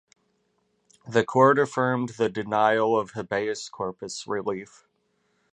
The court affirmed the denial of "habeas corpus" relief.